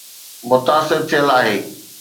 متاثر ٿيل آهي.